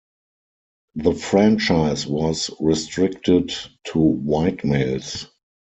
The franchise was restricted to "white" males.